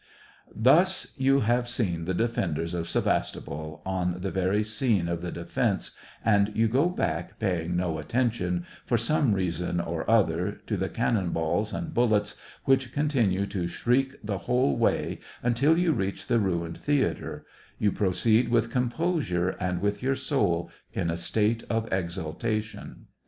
Thus you have seen the defenders of Sevastopol, on the very scene of the defence, and you go back paying no attention, for some reason or other, to the cannon balls and bullets, which continue to shriek the whole way until you reach the ruined theatre, — you proceed with composure, and with your soul in a state of exaltation.